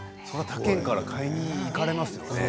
他県から買いに行かれますよね。